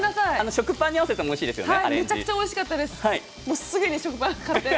食パンに合わせてもおいしいですよね。